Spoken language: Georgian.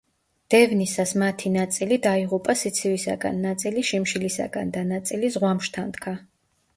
დევნისას მათი ნაწილი დაიღუპა სიცივისაგან, ნაწილი შიმშილისაგან და ნაწილი ზღვამ შთანთქა.